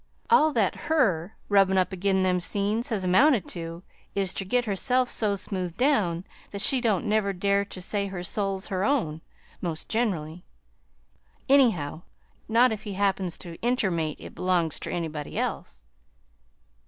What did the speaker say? All that HER rubbin' up ag'in' them seams has amounted to is ter git herself so smoothed down that she don't never dare ter say her soul's her own, most generally, anyhow, not if he happens ter intermate it belongs ter anybody else!"